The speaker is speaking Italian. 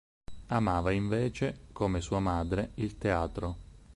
Amava invece, come sua madre, il teatro.